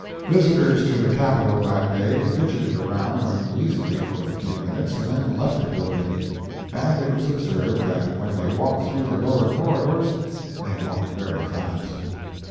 Visitors to the Capitol that day fidgeted around uneasily for a few minutes and then left the building; and it was observed that when they walked through the lower corridors, they walked very fast.